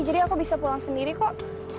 jadi aku bisa pulang sendiri kok